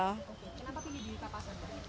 kenapa pilih di pasar